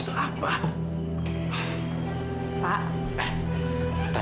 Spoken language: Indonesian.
ya pak nggak apa apa